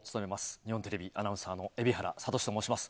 日本テレビアナウンサーの蛯原哲と申します。